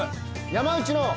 山内の。